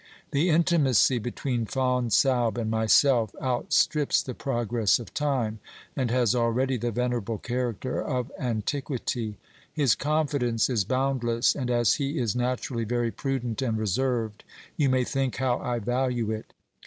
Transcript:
The intimacy between Fonsalbe and myself outstrips the OBERMANN 373 progress of time, and has already the venerable character of antiquity. His confidence is boundless, and as he is naturally very prudent and reserved, you may think how I value it.